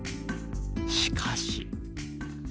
しかし。